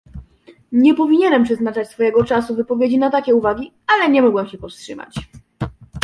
Nie powinienem przeznaczać swojego czasu wypowiedzi na takie uwagi, ale nie mogłem się powstrzymać